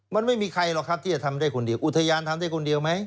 มันไม่มีใครหรอกครับที่จะทำได้คนเดียวอุทยานทำได้คนเดียวไหม